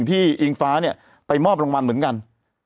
อิงฟ้าเนี่ยไปมอบรางวัลเหมือนกัน